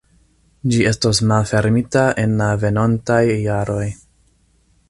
Ĝi estos malfermita en la venontaj jaroj.